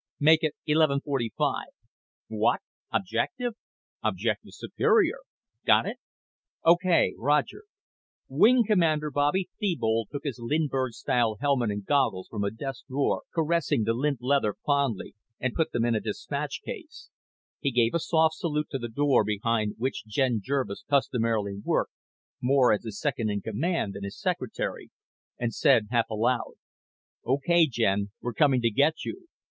Make it eleven forty five. What? Objective? Objective Superior! Got it? Okay roger!" Wing Commander Bobby Thebold took his Lindbergh style helmet and goggles from a desk drawer, caressing the limp leather fondly, and put them in a dispatch case. He gave a soft salute to the door behind which Jen Jervis customarily worked, more as his second in command than his secretary, and said half aloud: "Okay, Jen, we're coming to get you."